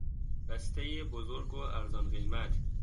بستهی بزرگ و ارزانقیمت